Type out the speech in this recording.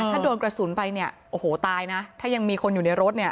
ถ้าโดนกระสุนไปเนี่ยโอ้โหตายนะถ้ายังมีคนอยู่ในรถเนี่ย